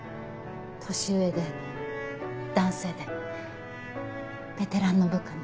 年上で男性でベテランの部下に。